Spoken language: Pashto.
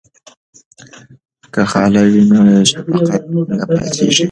که خاله وي نو شفقت نه پاتیږي.